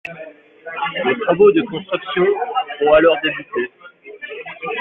Les travaux de construction ont alors débuté.